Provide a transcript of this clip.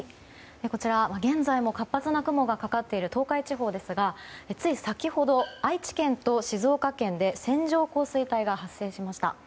こちら、現在も活発な雲がかかっている東海地方ですがつい先ほど、愛知県と静岡県で線状降水帯が発生しました。